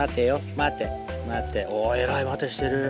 待て待ておぉ偉い待てしてる。